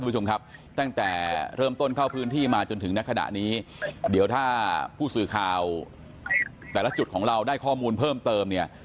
คุณผู้ชมครับตั้งแต่เริ่มต้นเข้าพื้นที่มาจนถึงในขณะนี้เดี๋ยวถ้าผู้สื่อข่าวแต่ละจุดของเราได้ข้อมูลเพิ่มเติมเนี่ย